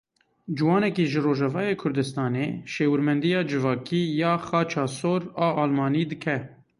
Ciwanekî ji Rojavayê Kurdistanê şêwirmendiya civakî ya Xaça Sor a Almanî dike.